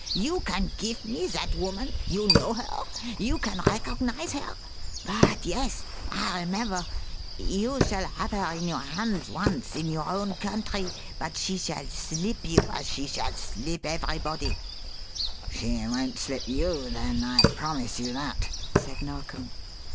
You can give me that woman? You know her? You can recognize her? But, yes, I remember! You shall have her in your hands once in your own country, but she shall slip you, as she shall slip everybody!" "She won't slip you, then, I promise you that!" said Narkom.